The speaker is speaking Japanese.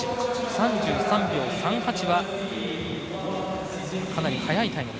３３秒３８はかなり速いタイム。